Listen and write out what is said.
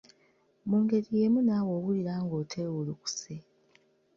Mu ngeri yeemu naawe owulira ng'oteewulukuse